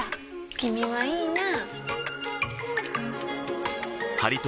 君はいいなぁ。